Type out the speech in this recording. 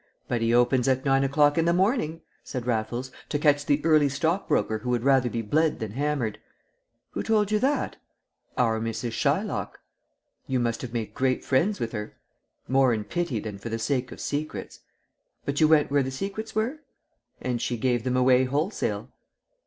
"But he opens at nine o'clock in the morning," said Raffles, "to catch the early stockbroker who would rather be bled than hammered." "Who told you that?" "Our Mrs. Shylock." "You must have made great friends with her?" "More in pity than for the sake of secrets." "But you went where the secrets were?" "And she gave them away wholesale."